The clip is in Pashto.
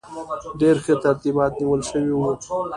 ډېر ښه ترتیبات نیول شوي وو.